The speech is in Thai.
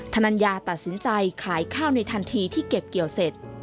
ธนัญญาตัดสินใจขายข้าวในทันทีที่เก็บเกี่ยวเสร็จ